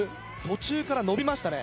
途中から伸びましたね。